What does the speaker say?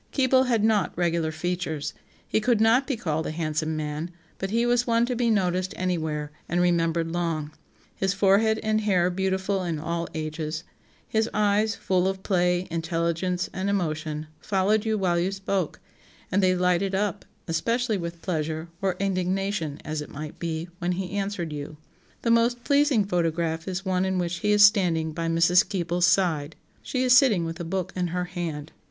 Keble had not regular features; he could not be called a handsome man, but he was one to be noticed anywhere, and remembered long; his forehead and hair beautiful in all ages; his eyes, full of play, intelligence, and emotion, followed you while you spoke; and they lighted up, especially with pleasure, or indignation, as it might be, when he answered you. The most pleasing photograph is one in which he is standing by Mrs. Keble's side; she is sitting with a book in her hand.